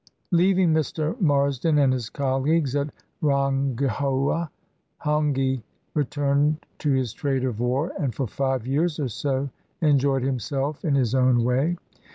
Leaving Mr. Marsden and his colleagues at Rangi houa, Hongi returned to his trade of war, and for five years or so enjoyed himself in his own way.